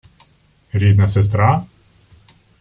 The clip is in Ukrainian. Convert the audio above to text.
— Рідна сестра?